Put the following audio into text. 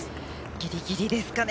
ギリギリですかね。